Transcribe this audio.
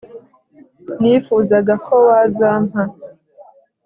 nifuzaga ko wazampa